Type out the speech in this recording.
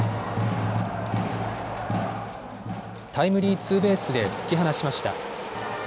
タイムリーツーベースで突き放しました。